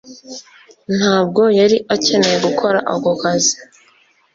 Ntabwo yari akeneye gukora ako kazi